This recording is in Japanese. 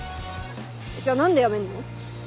じゃあ何で辞めんの？